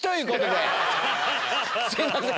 すいません。